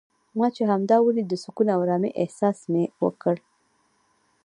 ما چې همدا ولید د سکون او ارامۍ احساس مې وکړ.